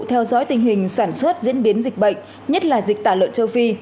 theo dõi tình hình sản xuất diễn biến dịch bệnh nhất là dịch tả lợn châu phi